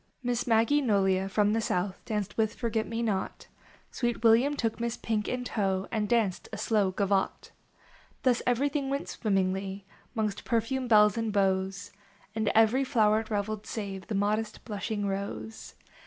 /, Miss Maggie Nolia from the south Danced with Forget me not ; Sweet William took Miss Pink in tow And danced a slow gavotte. Thus everything went swimmingly Mongst perfumed belles and beaux, And ever} floweret reveled save The modest, blushing Rose.